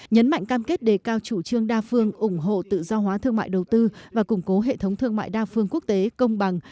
nhấn mạnh cam kết đề cao chủ trương đa phương ủng hộ tự do hóa thương mại đầu tư và củng cố hệ thống thương mại đa phương quốc tế công bằng